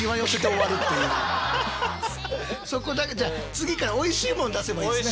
そこだけじゃあ次からおいしいもの出せばいいんですね。